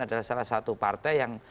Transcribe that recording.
adalah salah satu partai yang